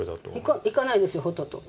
いかないですよ、ほとんど。